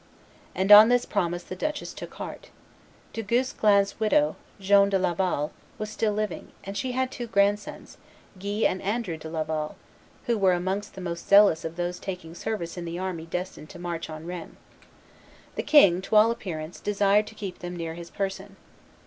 And on this promise the duchess took heart. Du Guesciin's widow, Joan de Laval, was still living; and she had two grandsons, Guy and Andrew de Laval, who were amongst the most zealous of those taking service in the army destined to march on Rheims. The king, to all appearance, desired to keep them near his person.